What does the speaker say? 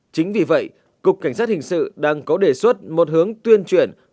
chính vì vậy cục cảnh sát hình sự đang có đề xuất một hướng tuyên truyền